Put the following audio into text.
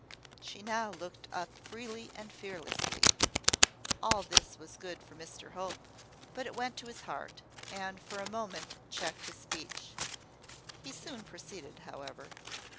She now looked up freely and fearlessly. All this was good for Mr Hope: but it went to his heart, and for a moment checked his speech. He soon proceeded, however.